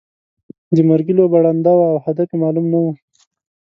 د مرګي لوبه ړنده وه او هدف یې معلوم نه وو.